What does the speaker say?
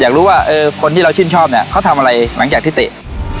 อยากรู้ว่าคนที่เราชื่นชอบเนี่ยเขาทำอะไรหลังจากที่เตะ